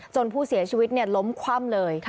ผู้เสียชีวิตล้มคว่ำเลย